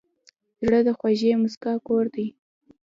زړه د خوږې موسکا کور دی.